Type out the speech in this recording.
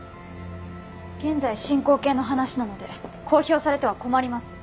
現在進行形の話なので公表されては困ります。